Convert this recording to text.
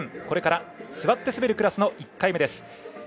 これから座って滑るクラスの１回目です。